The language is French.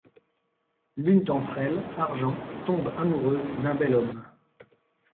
L'une d'entre elles, Argent, tombe amoureuse d'un bel homme.